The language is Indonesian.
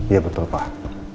iya betul pak